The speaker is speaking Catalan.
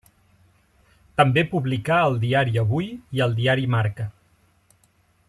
També publicà al Diari Avui i al diari Marca.